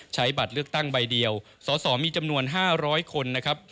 บัตรเลือกตั้งใบเดียวสสมีจำนวน๕๐๐คนนะครับ